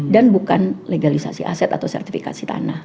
dan bukan legalisasi aset atau sertifikasi tanah